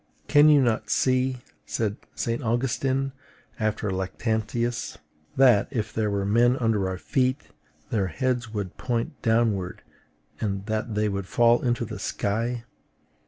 "Can you not see," said St. Augustine after Lactantius, "that, if there were men under our feet, their heads would point downward, and that they would fall into the sky?"